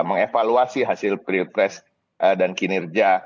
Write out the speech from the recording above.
mengevaluasi hasil pilpres dan kinerja